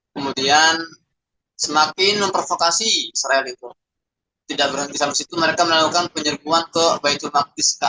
kemudian semakin memprovokasi tidak mereka melakukan penyerbuan ke